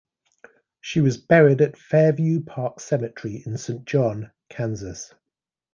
She was buried at Fairview Park Cemetery in Saint John, Kansas.